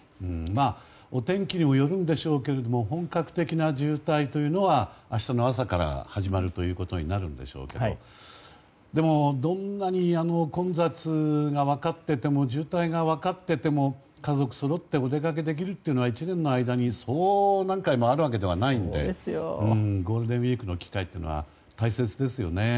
お天気にもよるんでしょうけども本格的な渋滞は明日の朝から始まるということになるんでしょうけどでも、どんなに混雑が分かっていても渋滞が分かっていても家族そろってお出かけできるのは１年の間に、そう何回もあるわけではないのでゴールデンウィークの機会は大切ですよね。